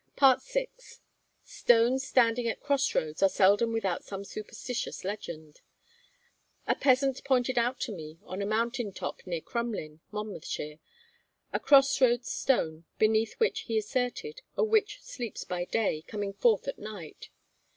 VI. Stones standing at cross roads are seldom without some superstitious legend. A peasant pointed out to me, on a mountain top near Crumlyn, Monmouthshire, a cross roads stone, beneath which, he asserted, a witch sleeps by day, coming forth at night.